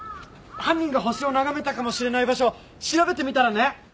犯人が星を眺めたかもしれない場所調べてみたらね。